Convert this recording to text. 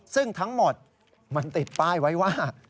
ซึ่งทั้งหมดมันติดป้ายไว้ว่า